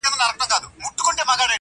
زما د تصور لاس در غځيږي گرانـي تــــاته.